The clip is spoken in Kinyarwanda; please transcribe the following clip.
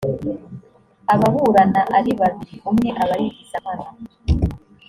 ababurana aribabiri umwe abayigizankana.